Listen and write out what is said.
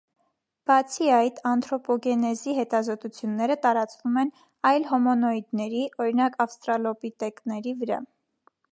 Բացի այդ, անթրոպոգենեզի հետազոտությունները տարածվում են այլ հոմոնոիդների, օրինակ, ավստրալոպիտեկների վրա։